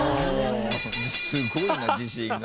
すごいな自信が。